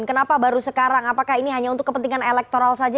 kenapa baru sekarang apakah ini hanya untuk kepentingan elektoral saja